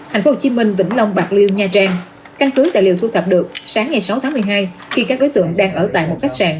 tp hcm vĩnh long bạc liêu nha trang căn cứ tài liệu thu thập được sáng ngày sáu tháng một mươi hai khi các đối tượng đang ở tại một khách sạn